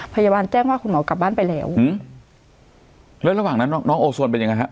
พยาบาลแจ้งว่าคุณหมอกลับบ้านไปแล้วอืมแล้วระหว่างนั้นน้องน้องโอโซนเป็นยังไงฮะ